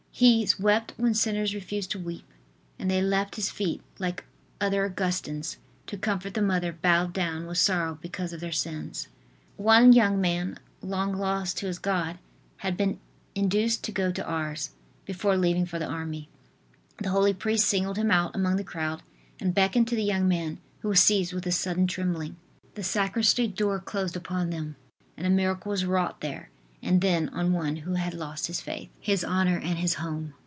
He wept when sinners refused to weep, and they left his feet like other Augustines, to comfort the mother bowed down with sorrow because of their sins. One young man, long lost to his God, had been induced to go to Ars, before leaving for the army. The holy priest singled him, out among the crowd, and beckoned to the young man, who was seized with a sudden trembling. The sacristy door closed upon them and a miracle was wrought there and then on one who had lost his faith, his honor and his home.